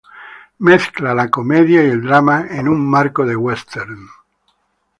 Mezcla la comedia y el drama en un marco de western.